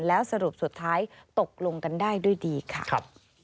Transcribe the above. แล้วสรุปสุดท้ายตกลงกันได้ด้วยดีค่ะ